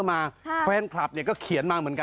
ทำด้าบุญอะไรกันเยอะเลยใช่ไหมคะ